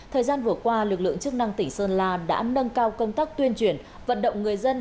thời gian vừa qua lực lượng chức năng tỉnh sơn la đã nâng cao công tác tuyên truyền vận động người dân